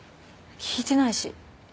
聞いてないし。